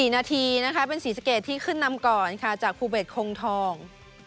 ๔นาทีเป็นสีสเกจที่ขึ้นนำก่อนจากภูเบศคงทอง